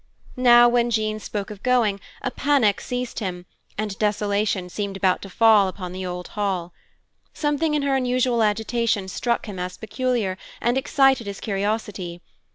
Now, when Jean spoke of going, a panic seized him, and desolation seemed about to fall upon the old Hall. Something in her unusual agitation struck him as peculiar and excited his curiosity.